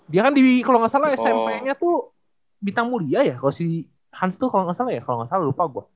dia kan di kalau nggak salah smp nya tuh bintang mulia ya kalau si hans tuh kalau nggak salah ya kalau nggak salah lupa gue